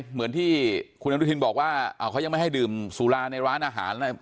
เหมือนที่คุณอนุทินบอกว่าเขายังไม่ให้ดื่มสุราในร้านอาหารอะไร